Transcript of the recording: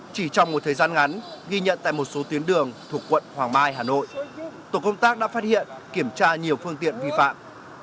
chỉ trong một thời gian ngắn ghi nhận tại một số tuyến đường thuộc quận hoàng mai hà nội tổ công tác đã phát hiện kiểm tra nhiều phương tiện vi phạm